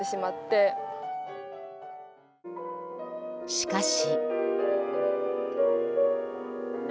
しかし。